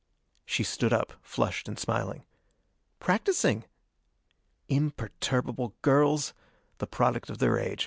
She stood up, flushed and smiling. "Practising." Imperturbable girls! The product of their age.